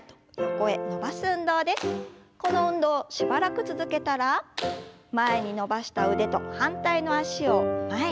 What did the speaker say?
この運動しばらく続けたら前に伸ばした腕と反対の脚を前に。